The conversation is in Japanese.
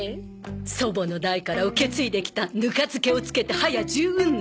祖母の代から受け継いできたぬか漬けを漬けて早十うん年。